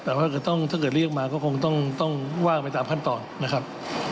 แต่ว่าถ้าเกิดเรียกมาก็คงต้องว่างไปตามขั้นตอนนะครับ